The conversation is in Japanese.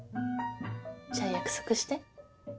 じゃあ約束して。